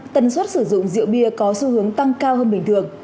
tần suất sử dụng rượu bia có xu hướng tăng cao hơn bình thường